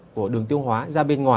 của đường tiêu hóa